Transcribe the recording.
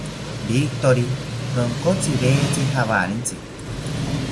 Victori ronkotziwetzi jawarintzi